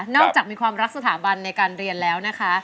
จากมีความรักสถาบันในการเรียนแล้วนะคะ